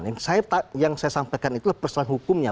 yang saya sampaikan itu persoalan hukumnya